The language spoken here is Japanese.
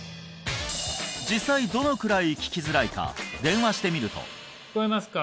実際どのくらい聞きづらいか電話してみると聞こえますか？